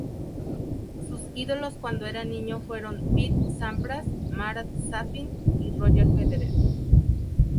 Sus ídolos cuando era niño fueron Pete Sampras, Marat Safin y Roger Federer.